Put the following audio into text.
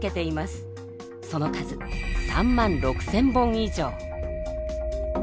その数３万６，０００本以上。